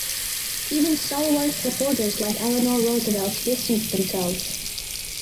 Even "stalwart supporters" like Eleanor Roosevelt distanced themselves.